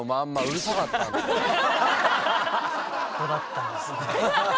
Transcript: ここだったんですね。